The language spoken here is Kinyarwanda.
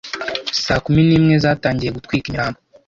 Saa kumi n'imwe zatangiye gutwika imirambo;